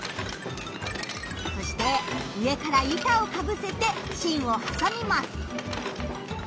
そして上から板をかぶせて芯をはさみます。